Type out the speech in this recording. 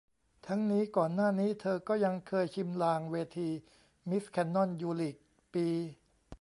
ทั้งนี้ ก่อนหน้านี้เธอก็ยังเคยชิมลางเวทีมิสแคนนอนยูลีก ปี